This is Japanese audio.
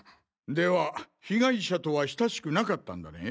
では被害者とは親しくなかったんだね？